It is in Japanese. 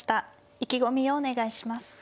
意気込みをお願いします。